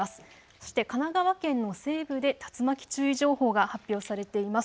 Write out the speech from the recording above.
そして神奈川県の西部で竜巻注意情報が発表されています。